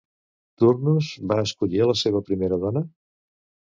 Turnus va escollir a la seva primera dona?